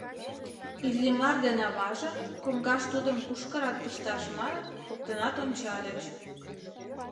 Иллимар ден аваже, коҥгаш тудым кушкырак пышташ манын, коктынат ончальыч.